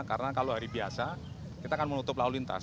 karena kalau hari biasa kita akan menutup lalu lintas